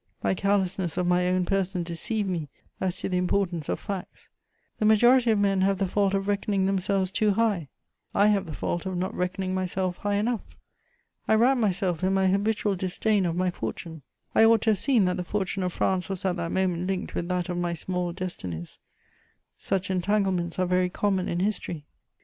My carelessness of my own person deceived me as to the importance of facts: the majority of men have the fault of reckoning themselves too high; I have the fault of not reckoning myself high enough: I wrapped myself in my habitual disdain of my fortune; I ought to have seen that the fortune of France was at that moment linked with that of my small destinies: such entanglements are very common in history.